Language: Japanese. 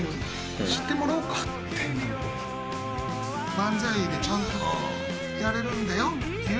漫才でちゃんとやれるんだよっ